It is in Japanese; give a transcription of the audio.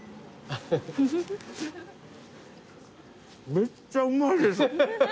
めっちゃうまいです！